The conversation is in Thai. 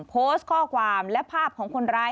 โพสต์ข้อความและภาพของคนร้าย